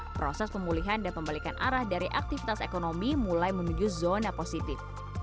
proses pemulihan dan pembalikan arah dari aktivitas ekonomi mulai menuju zona positif